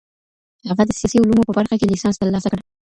هغه د سياسي علومو په برخه کې ليسانس ترلاسه کړ.